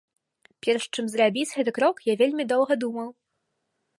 Перш чым зрабіць гэты крок я вельмі доўга думаў.